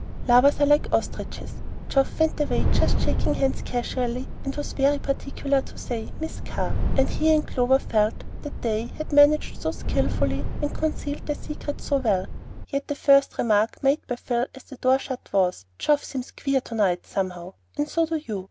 Lovers are like ostriches. Geoff went away just shaking hands casually, and was very particular to say "Miss Carr;" and he and Clover felt that they had managed so skilfully and concealed their secret so well; yet the first remark made by Phil as the door shut was, "Geoff seems queer to night, somehow, and so do you.